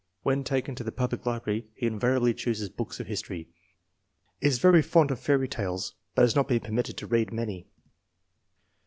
When taken to the public library he invariably chooses books of history. Is very fond of fairy tales but has not been permitted to read many.